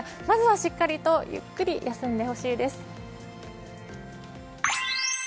まずはしっかりゆっくり休んでほしいです。